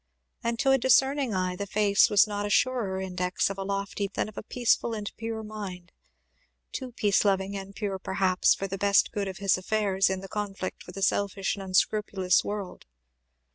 And to a discerning eye the face was not a surer index of a lofty than of a peaceful and pure mind; too peace loving and pure perhaps for the best good of his affairs in the conflict with a selfish and unscrupulous world.